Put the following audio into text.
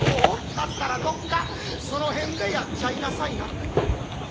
だったらどっかその辺でやっちゃいなさいな』ってんだ。